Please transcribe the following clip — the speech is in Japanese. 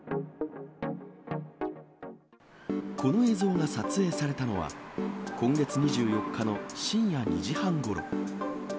この映像が撮影されたのは、今月２４日の深夜２時半ごろ。